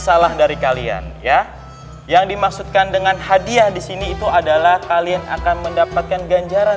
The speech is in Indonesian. salah dari kalian ya yang dimaksudkan dengan hadiah disini itu adalah kalian akan mendapatkan ganjaran